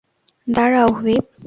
দাঁড়াও, হুইপ।